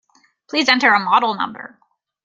Please enter a model number.